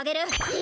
え！